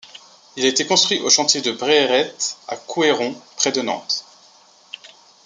Il a été construit au chantier Bréhéret à Couëron près de Nantes.